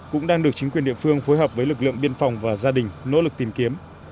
cũng đang được chính quyền địa phương phối hợp với lực lượng biên phòng và gia đình nỗ lực tìm kiếm